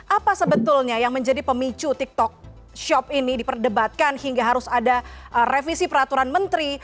apa sebetulnya yang menjadi pemicu tiktok shop ini diperdebatkan hingga harus ada revisi peraturan menteri